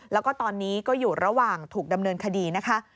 แล้วก็ตอนนี้ก็อยู่ระหว่างถูกดำเนินคดีนะคะ